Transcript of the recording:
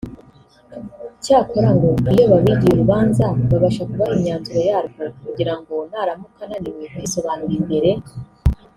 Cyakora ngo iyo babigiye urubanza babasha kubaha imyanzuro yarwo kugira ngo naramuka ananiwe kwisobanura imbere y’Umucamanza